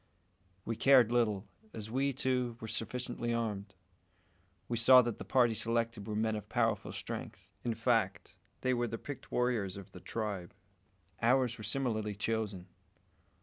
We cared little, as we, too, were sufficiently armed. We saw that the party selected were men of powerful strength; in fact, they were the picked warriors of the tribe. Ours were similarly chosen.